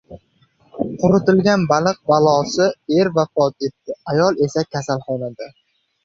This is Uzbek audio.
Quritilgan baliq balosi: er vafot etdi, ayol esa kasalxonada